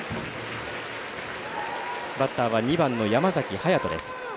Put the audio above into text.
バッターは２番の山崎隼人です。